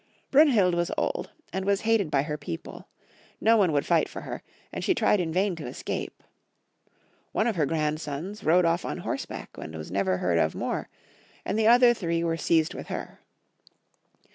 Brunhild was old, and was hated by her people ; no one would fight for her, and she tried in vain to escape. One of her grandsons rode off on horseback and was never heard of more, and the other three were seized with her.